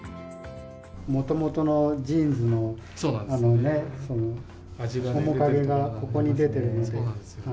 もともとのジーンズの面影がここに出てるので。